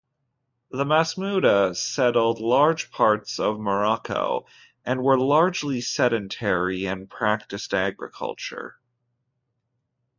The Masmuda settled large parts of Morocco, and were largely sedentary and practised agriculture.